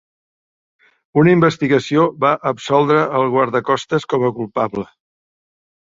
Una investigació va absoldre el guardacostes com a culpable.